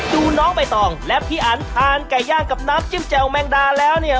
ดูน้องใบตองและพี่อันทานไก่ย่างกับน้ำจิ้มแจ่วแมงดาแล้วเนี่ย